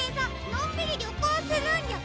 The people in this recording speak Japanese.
のんびりりょこうするんじゃ？